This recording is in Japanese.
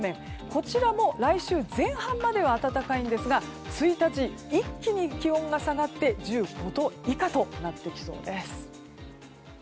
こちらも来週前半までは暖かいんですが１日、一気に気温が下がって１５度以下となってきそうです。